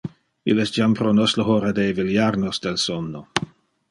Il es jam pro nos le hora de eveliar nos del somno.